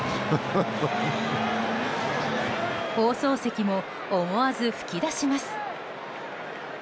放送席も思わず吹き出します。